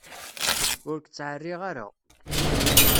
Ur k-ttɛerriɣ ara.